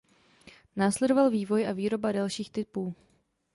Následoval vývoj a výroba dalších typů.